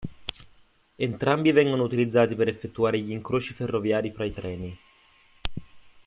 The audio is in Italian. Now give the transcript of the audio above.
Entrambi vengono utilizzati per effettuare gli incroci ferroviari fra i treni.